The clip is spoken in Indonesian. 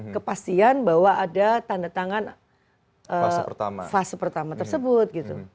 kepastian bahwa ada tanda tangan fase pertama tersebut gitu